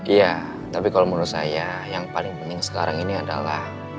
iya tapi kalau menurut saya yang paling penting sekarang ini adalah